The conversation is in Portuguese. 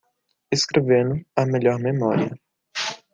Escrevendo, a melhor memória.